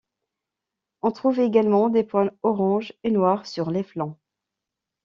On trouve également des points orange et noirs sur les flanc.